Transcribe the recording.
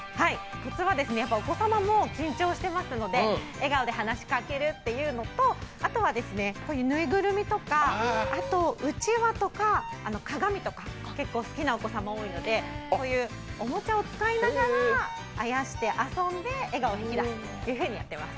コツはお子様も緊張してますので笑顔で話しかけるというのとあとは、ぬいぐるみとかうちわとか鏡とか結構好きなお子様多いのでこういうおもちゃを使いながらあやして遊んで、笑顔を引き出すようにしています。